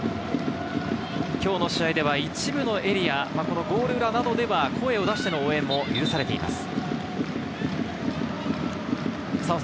今日の試合では一部のエリア、ゴール裏などでは声を出しての応援も許されています。